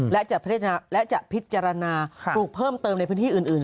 และจะพิจารณาปลูกเพิ่มเติมในพื้นที่อื่น